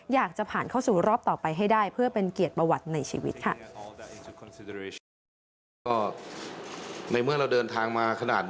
อยากจะผ่านเข้าสู่รอบต่อไปให้ได้เพื่อเป็นเกียรติประวัติในชีวิตค่ะ